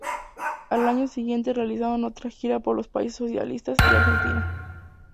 Al año siguiente realizaron otra gira por los países socialistas y Argentina.